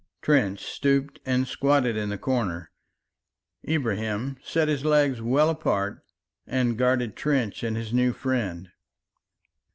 Trench stooped and squatted in the corner, Ibrahim set his legs well apart and guarded Trench and his new friend.